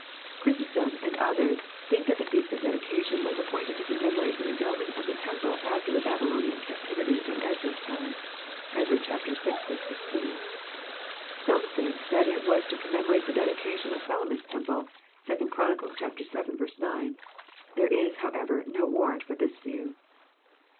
Chrysostom and others think that the feast of dedication was appointed to commemorate the rebuilding of the temple after the Babylonian captivity, in Ezra's time. (Ezra vi. 16.) Some think that it was to commemorate the dedication of Solo mon's temple. (2 Chron. vii. 9.) There is, however, no war rant for this view.